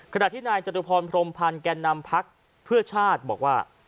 ขณะที่นายจตุพรพรมพันธ์แก่นำพักเพื่อชาติบอกว่า